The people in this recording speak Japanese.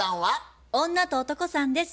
女と男さんです。